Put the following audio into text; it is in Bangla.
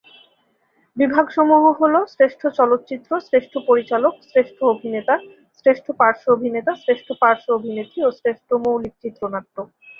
বিভাগসমূহ হল শ্রেষ্ঠ চলচ্চিত্র, শ্রেষ্ঠ পরিচালক, শ্রেষ্ঠ অভিনেতা, শ্রেষ্ঠ পার্শ্ব অভিনেতা, শ্রেষ্ঠ পার্শ্ব অভিনেত্রী, ও শ্রেষ্ঠ মৌলিক চিত্রনাট্য।